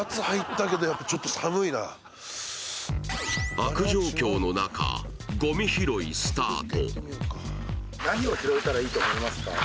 悪状況の中、ごみ拾いスタート。